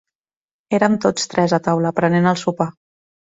Érem tots tres a taula, prenent el sopar.